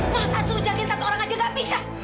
masa suruh jagain satu orang aja nggak bisa